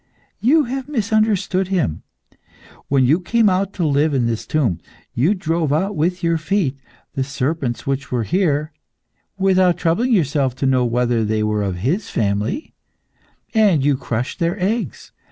You have misunderstood him. When you came to live in this tomb, you drove out with your feet the serpents which were here, without troubling yourself to know whether they were of his family, and you crushed their eggs.